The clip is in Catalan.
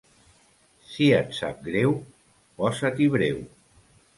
Si et sap greu, posa-t'hi breu.